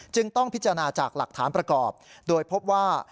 ต้องพิจารณาจากหลักฐานประกอบโดยพบว่า